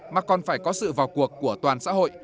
mà còn phải có sự vào cuộc của toàn xã hội